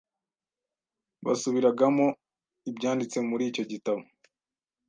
basubiragamo ibyanditse muri icyo gitabo